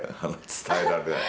伝えられない。